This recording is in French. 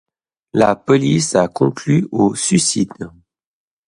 La police a conclu au suicide.